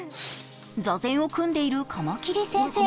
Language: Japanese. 座禅を組んでいるカマキリ先生。